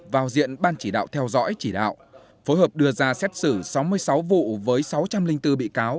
vào diện ban chỉ đạo theo dõi chỉ đạo phối hợp đưa ra xét xử sáu mươi sáu vụ với sáu trăm linh bốn bị cáo